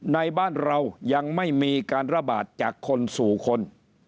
ในบ้านเรายังไม่มีการระบาดจากคนสู่คน